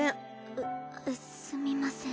うっすみません。